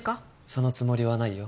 そのつもりはないよ。